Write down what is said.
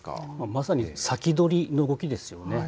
まさに先取りの動きですよね。